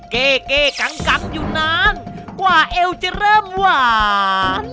เก้เก้กังอยู่นานกว่าเอวจะเริ่มหวาน